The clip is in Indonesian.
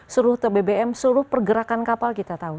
seluruh bbm seluruh pergerakan kapal kita tahu